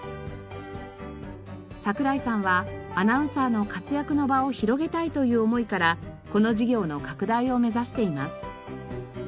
櫻井さんはアナウンサーの活躍の場を広げたいという思いからこの事業の拡大を目指しています。